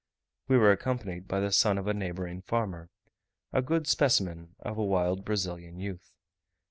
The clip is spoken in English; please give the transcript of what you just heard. We were accompanied by the son of a neighbouring farmer a good specimen of a wild Brazilian youth.